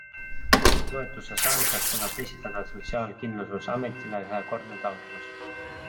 Toetuse saamiseks tuleb esitada sotsiaalkindlustusametile ühekordne taotlus.